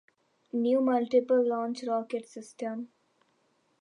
New Multiple Launch Rocket System.